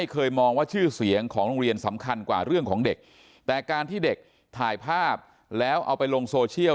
ของโรงเรียนสำคัญกว่าเรื่องของเด็กแต่การที่เด็กถ่ายภาพแล้วเอาไปลงโซเชียล